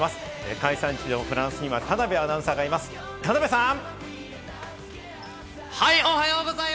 開催地フランスには、田辺アナウンサーがいます、田辺さん！